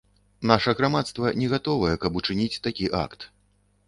Наша грамадства не гатовае, каб учыніць такі акт.